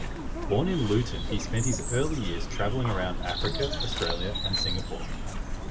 Born in Luton, he spent his early years travelling around Africa, Australia and Singapore.